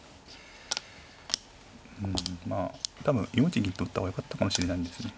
うんまあ多分４一銀と打った方がよかったかもしれないですね。